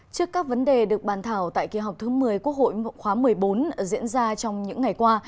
trước các vấn đề được bàn thảo tại kỳ họp thứ một mươi quốc hội khóa một mươi bốn diễn ra trong những ngày qua